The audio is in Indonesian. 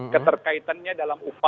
keterkaitannya dalam upaya